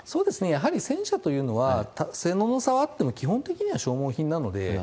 やはり戦車というのは、性能の差はあっても、基本的には消耗品なので。